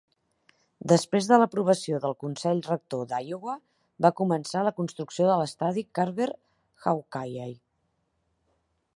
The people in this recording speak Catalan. Després de l'aprovació del Consell Rector d'Iowa, va començar la construcció de l'estadi Carver-Hawkeye.